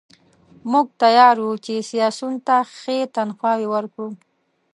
موږ تیار یو چې سیاسیونو ته ښې تنخواوې ورکړو.